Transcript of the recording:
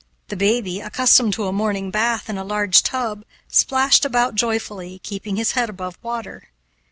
The baby, accustomed to a morning bath in a large tub, splashed about joyfully, keeping his head above water.